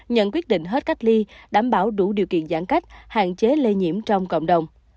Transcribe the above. nhận quyết định hết cách ly đảm bảo đủ điều kiện giãn cách hạn chế lây nhiễm trong cộng đồng